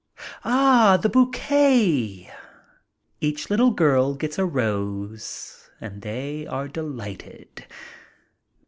Ah, the bouquet! Each little girl gets a rose and they are delighted.